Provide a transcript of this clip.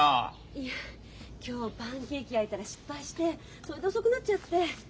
いや今日パンケーキ焼いたら失敗してそれで遅くなっちゃって。